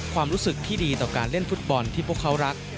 ความรู้สึกที่ดีต่อการเล่นฟุตบอลที่พวกเขารัก